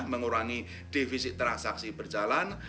mengurangi defisit transaksi berjalan